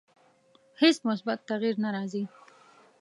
هیڅ مثبت تغییر نه راځي.